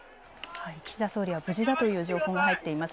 岸田総理は無事だという情報も入っています。